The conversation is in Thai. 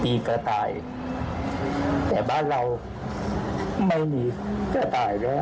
กระต่ายแต่บ้านเราไม่มีกระต่ายแล้ว